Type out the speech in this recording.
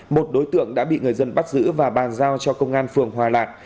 một đối tượng đã bị người dân bắt giữ và bàn giao cho công an phường hòa lạc